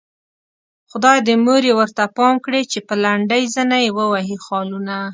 خدايه د مور يې ورته پام کړې چې په لنډۍ زنه يې ووهي خالونه